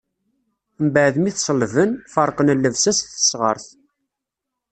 Mbeɛd mi t-ṣellben, ferqen llebsa-s s tesɣart.